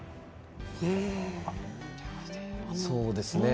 そうですね。